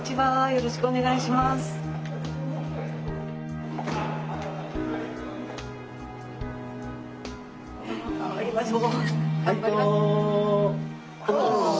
よろしくお願いします。